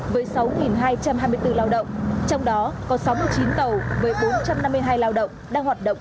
với sáu hai trăm hai mươi bốn lao động trong đó có sáu mươi chín tàu với bốn trăm năm mươi hai lao động đang hoạt động